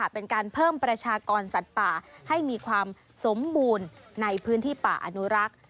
เป็นการเพิ่มประชากรสัตว์ป่าให้มีความสมบูรณ์ในพื้นที่ป่าอนุรักษ์